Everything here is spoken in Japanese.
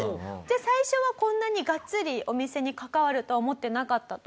最初はこんなにガッツリお店に関わるとは思ってなかったと。